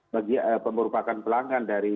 bagi pemerupakan pelanggan